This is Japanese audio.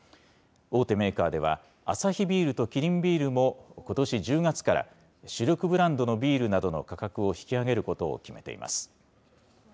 大手メーカーでは、アサヒビールとキリンビールも、ことし１０月から、主力ブランドのビールなどの価格を引き上げることを決めています。